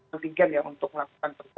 ada tiga yang harus dilakukan